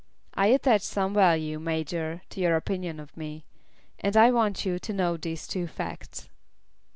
I attach some value, Major, to your opinion of me, and I want you to know these two facts."